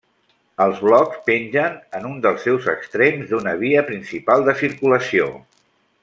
Els blocs pengen en un dels seus extrems d'una via principal de circulació.